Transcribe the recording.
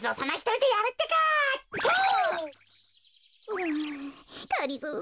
うんがりぞー